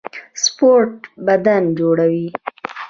سپورټ بدن جوړوي